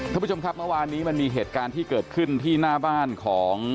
ท่านผู้ชมครับเมื่อวานนี้มันมีเหตุการณ์ที่เกิดขึ้นที่หน้าบ้านของ